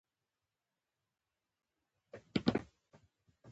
په افغاني جامو کې د مسلمانانو په ډول.